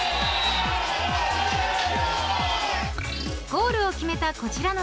［ゴールを決めたこちらの選手。